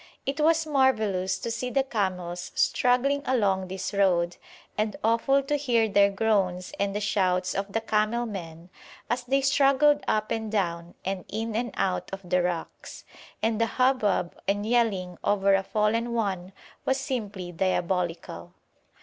It was marvellous to see the camels struggling along this road, and awful to hear their groans and the shouts of the camel men as they struggled up and down and in and out of the rocks; and the hubbub and yelling over a fallen one was simply diabolical.